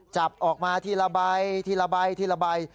จับออกมาทีละใบทีละใบทีละใบ